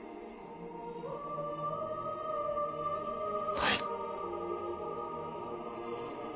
はい。